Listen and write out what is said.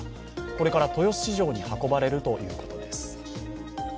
これから豊洲市場に運ばれるということです。